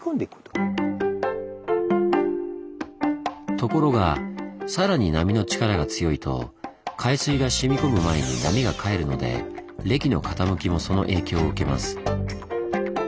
ところが更に波の力が強いと海水が染み込む前に波が返るので礫の傾きもその影響を受けます。